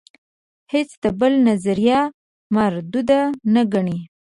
هیڅ د بل نظریه مرودوده نه ګڼي.